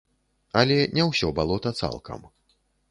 Але не ўсё балота цалкам.